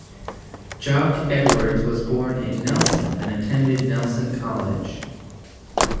Jock Edwards was born in Nelson, and attended Nelson College.